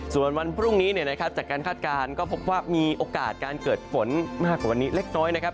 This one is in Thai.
ส่วนวันพรุ่งนี้จากการคาดการณ์ก็พบว่ามีโอกาสการเกิดฝนมากกว่าวันนี้เล็กน้อยนะครับ